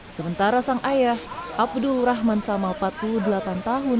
sementara sang ayah abdul rahman salmal patu delapan tahun